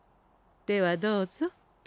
ではどうぞ。